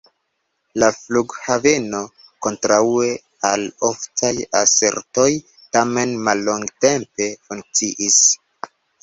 La flughaveno, kontraŭe al oftaj asertoj, tamen mallongtempe funkciis.